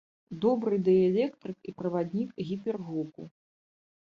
Добры дыэлектрык і праваднік гіпергуку.